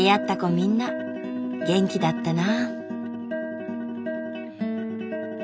みんな元気だったな。